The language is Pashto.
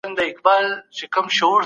حکومت کولای سي اضافه مالیه واخلي.